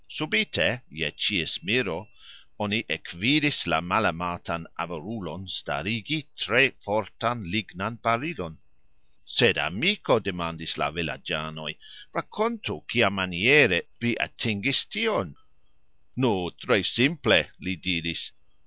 Subite, je cxies miro, oni ekvidis la malamatan avarulon starigi tre fortan lignan barilon. "Sed, amiko," demandis la vilagxanoj, "rakontu kiamaniere vi atingis tion." "Nu, tre simple," li diris.